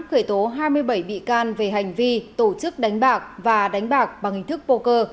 khởi tố hai mươi bảy bị can về hành vi tổ chức đánh bạc và đánh bạc bằng hình thức pô